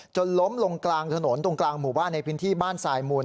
ล้มลงกลางถนนตรงกลางหมู่บ้านในพื้นที่บ้านทรายมูล